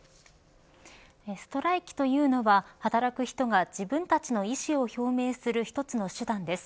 ストライキというのは働く人が自分たちの意思を表明する１つの手段です。